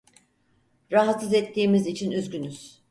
Rahatsız ettiğimiz için üzgünüz.